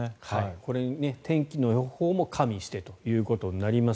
これに天気の予報も加味してということになります。